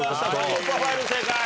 『突破ファイル』正解。